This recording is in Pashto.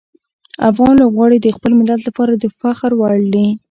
افغان لوبغاړي د خپل ملت لپاره د فخر وړ دي.